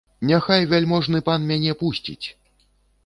Няхай вяльможны пан мяне пусціць!